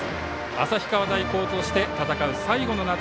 旭川大高として戦う最後の夏。